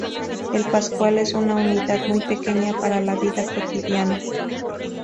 El pascal es una unidad muy pequeña para la vida cotidiana.